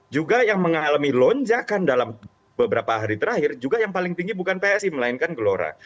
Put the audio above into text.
juga yang mengalami lonjakan dalam beberapa hari terakhir juga yang paling tinggi bukan psi melainkan gelora